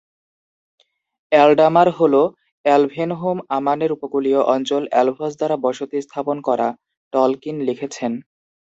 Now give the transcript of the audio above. এলডামার হল "এলভেনহোম", "আমানের উপকূলীয় অঞ্চল, এলভস দ্বারা বসতি স্থাপন করা", টলকিন লিখেছেন।